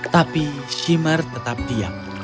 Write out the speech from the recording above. tapi shimmer tetap diam